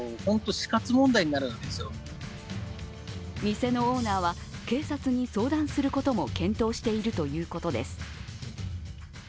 店のオーナーは警察に相談することも検討しているということです。